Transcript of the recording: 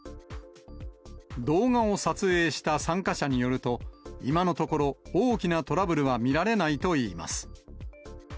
動画を撮影した参加者によると、今のところ、大きなトラブルは見られないといいます。